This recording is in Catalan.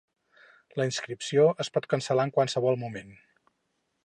La inscripció es pot cancel·lar en qualsevol moment.